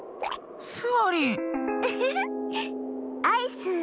アイス。